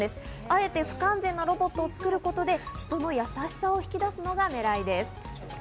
あえて不完全なロボットを作ることで人の優しさを引き出すのが狙いです。